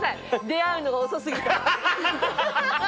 出会うのが遅過ぎた。